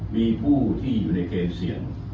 มีผู้ที่อยู่ในเกณฑ์เสี่ยง